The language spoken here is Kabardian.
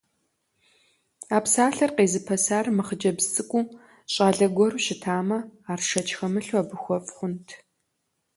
А псалъэр къезыпэсар мыхъыджэбз цӀыкӀуу, щӀалэ гуэру щытамэ, ар, шэч хэмылъу, абы хуэфӀ хъунт!